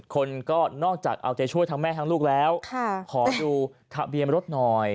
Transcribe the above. คนก็นอกจากเอาใจช่วยทั้งแม่ทั้งลูกแล้วขอดูทะเบียนรถหน่อย